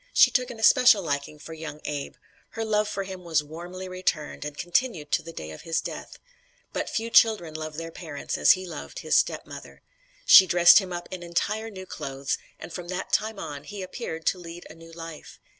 She took an especial liking for young Abe. Her love for him was warmly returned, and continued to the day of his death. But few children love their parents as he loved his stepmother. She dressed him up in entire new clothes, and from that time on he appeared to lead a new life.